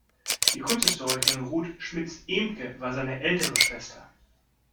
Die Kunsthistorikerin Ruth Schmitz-Ehmke war seine ältere Schwester.